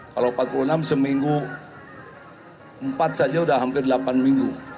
kalau empat puluh enam seminggu empat saja sudah hampir delapan minggu